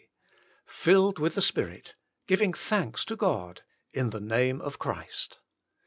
Filled with the Spirit, giving thanks to God, in the name of Christ.